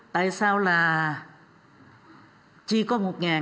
tại sao là chỉ có một